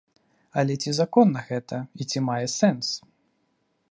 Але ці законна гэта і ці мае сэнс?